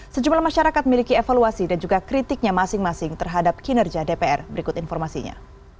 sejumlah masyarakat miliki evaluasi dan juga kritiknya masing masing terhadap kinerja dpr berikut informasinya